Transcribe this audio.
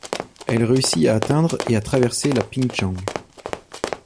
Elle réussit à atteindre et à traverser la Pin Chaung.